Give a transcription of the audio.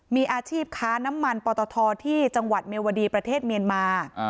มีอาชีพค้าน้ำมันปอตทที่จังหวัดเมียวดีประเทศเมียนมา